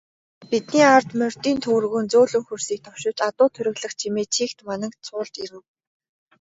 Бидний ард морьдын төвөргөөн зөөлөн хөрсийг товшиж, адуу тургилах чимээ чийгт мананг цуулж ирэв.